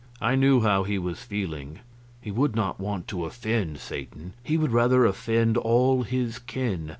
I knew how he was feeling. He would not want to offend Satan; he would rather offend all his kin.